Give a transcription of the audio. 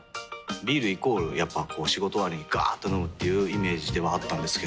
ビールイコールやっぱこう仕事終わりにガーっと飲むっていうイメージではあったんですけど。